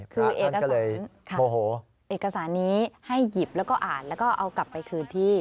คือเอกสารเอกสารนี้ให้หยิบแล้วก็อ่านแล้วก็เอากลับไปคืนที่